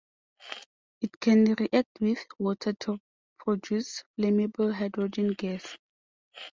It can react with water to produce flammable hydrogen gas.